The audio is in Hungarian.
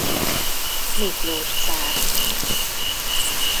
Miklós cár.